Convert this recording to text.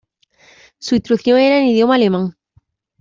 Su instrucción era en idioma alemán.